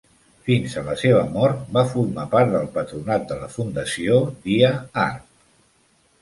Fins a la seva mort, va formar part del patronat de la Fundació Dia Art.